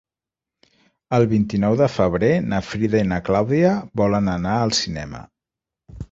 El vint-i-nou de febrer na Frida i na Clàudia volen anar al cinema.